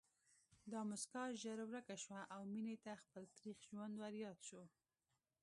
دا مسکا ژر ورکه شوه او مينې ته خپل تريخ ژوند ورياد شو